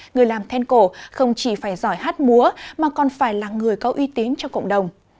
người làm then cổ không chỉ phải giỏi hát múa mà còn phải là người có uy tín cho cộng đồng